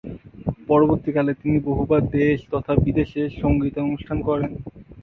পরবর্তীকালে, তিনি বহুবার দেশ তথা বিদেশে সঙ্গীতানুষ্ঠান করেন।